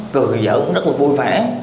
cười giỡn cũng rất là vui vã